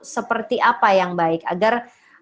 seperti apa yang baik agar